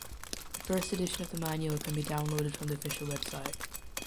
The first edition of the manual can be downloaded from the official website.